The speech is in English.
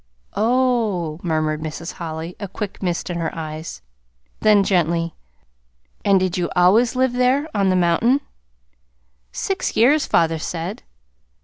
"Oh h," murmured Mrs. Holly, a quick mist in her eyes. Then, gently: "And did you always live there on the mountain?" "Six years, father said."